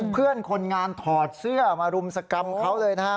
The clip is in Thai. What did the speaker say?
เพื่อนคนงานถอดเสื้อมารุมสกรรมเขาเลยนะครับ